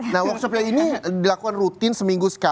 nah workshopnya ini dilakukan rutin seminggu sekali